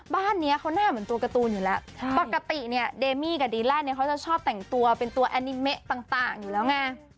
บ้านนี้เขาหน้าเหมือนตัวการ์ตูนอยู่แล้วปกติเนี่ยเดมี่กับดีแลนดเนี่ยเขาจะชอบแต่งตัวเป็นตัวแอนิเมะต่างอยู่แล้วไง